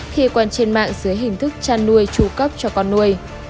khi quan trên mạng dưới hình thức cha nuôi chu cấp cho con nuôi